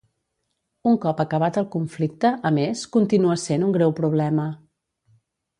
Un cop acabat el conflicte, a més, continua sent un greu problema